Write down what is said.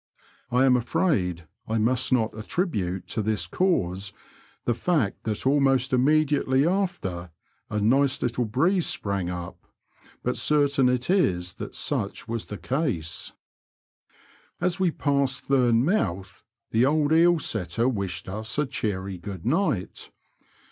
I am afraid I must not attribute to this cause the fact that almost immediately after a nice little breeze sprang up, but certain it is that such was the case. As we passed Thum mouth, the old eel setter wished us a cheery good night.